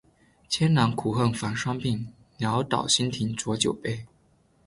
艰难苦恨繁霜鬓，潦倒新停浊酒杯